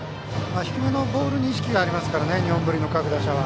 低めのボールに意識がありますから日本文理の各打者は。